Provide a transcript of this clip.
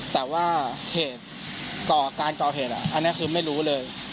แต่ว่าเหตุการก่อเหตุอันนี้คือไม่รู้เลย